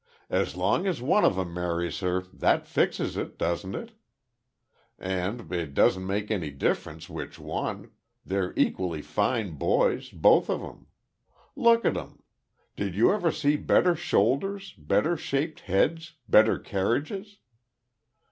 "As long as one of 'em marries her, that fixes it, doesn't it? And it doesn't make any difference which one; they're equally fine boys, both of 'em. Look at 'em. Did you ever see better shoulders better shaped heads better carriages?